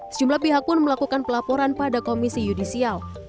sejumlah pihak pun melakukan pelaporan pada komisi yudisial